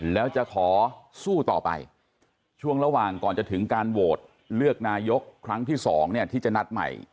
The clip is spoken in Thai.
แล้วจะขอสู้ต่อไปช่วงระหว่างก่อนจะถึงการโหวตเลือกนายกครั้งที่๒เนี่ยที่จะนัดใหม่